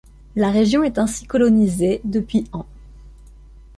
La région est ainsi colonisée depuis ans.